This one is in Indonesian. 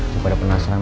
gue pada penasaran